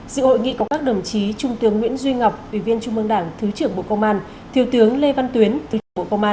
dự hội nghị có các đồng chí trung tướng nguyễn duy ngọc ủy viên trung mương đảng thứ trưởng bộ công an thiếu tướng lê văn tuyến thứ trưởng bộ công an